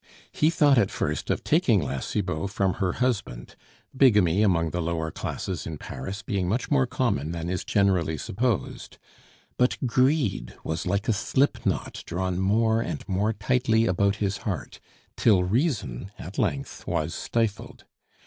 He thought at first of taking La Cibot from her husband, bigamy among the lower classes in Paris being much more common than is generally supposed; but greed was like a slip knot drawn more and more tightly about his heart, till reason at length was stifled.